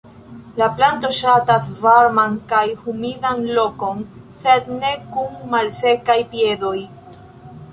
La planto ŝatas varman kaj humidan lokon, sed ne kun "malsekaj piedoj".